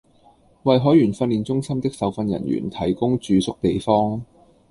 為海員訓練中心的受訓人員提供住宿地方